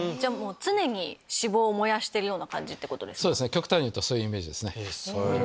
極端に言うとそういうイメージですね。